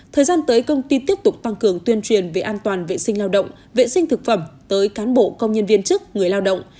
thời gian tới công ty tiếp tục tăng cường tuyên truyền về an toàn vệ sinh lao động vệ sinh thực phẩm tới cán bộ công nhân viên chức người lao động